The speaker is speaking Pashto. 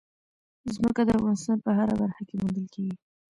ځمکه د افغانستان په هره برخه کې موندل کېږي.